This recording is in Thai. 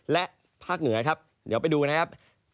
และภาคเหนือครับเดี๋ยวไปดูนะครับ